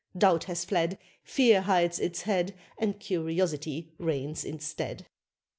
Doubt has fled, Fear hides its head, And curiosity reigns instead.